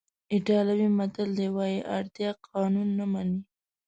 ایټالوي متل وایي اړتیا قانون نه مني.